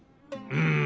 うん。